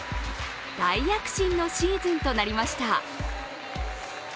大躍進のシーズンとなりました。